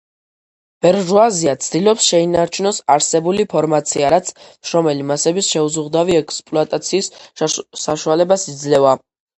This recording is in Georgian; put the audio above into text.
ბურჟუაზია ცდილობს შეინარჩუნოს არსებული ფორმაცია, რაც მშრომელი მასების შეუზღუდავი ექსპლუატაციის საშუალებას იძლევა.